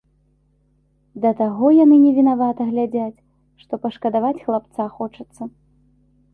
Да таго яны невінавата глядзяць, што пашкадаваць хлапца хочацца.